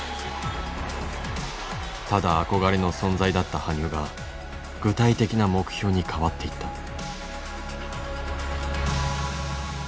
ただ憧れの存在だった羽生が具体的な目標に変わっていった。